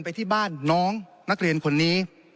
ไปที่บ้านน้องนักเรียนคนนี้